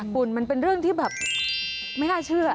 คุณมันเป็นเรื่องที่แบบไม่น่าเชื่อ